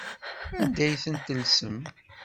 Anda ay ten-tellsem?